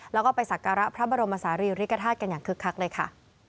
แล้วก็ไปสักการะพระบรมศาลีริกฐาตุกันอย่างคึกคักเลยค่ะ